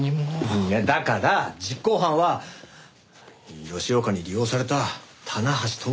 いやだから実行犯は吉岡に利用された棚橋智美って事でしょう？